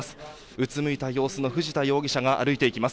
うつむいた様子の藤田容疑者が歩いていきます。